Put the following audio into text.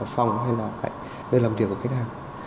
phòng hay là nơi làm việc của khách hàng